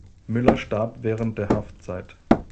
Müller starb während der Haftzeit.